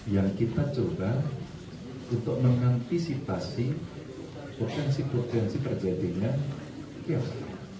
dan kita coba untuk mengantisipasi potensi potensi terjadinya kiasnya